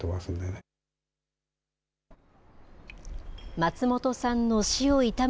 松本さんの死を悼む